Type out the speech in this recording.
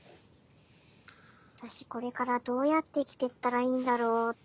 私これからどうやって生きてったらいいんだろうって。